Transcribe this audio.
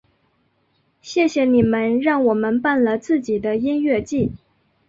谢谢你们让我们办了自己的音乐祭！